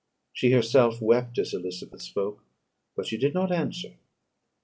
She herself wept as Elizabeth spoke, but she did not answer.